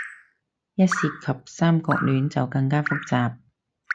而一涉及三角戀，就更加複雜